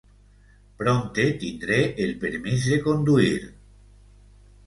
Prompte tindré el permís de conduir...